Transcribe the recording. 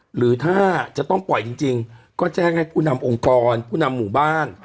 หรือถ้าจะต้องปล่อยจริงก็แจ้งให้ผู้นำองค์กรผู้นำหมู่บ้าน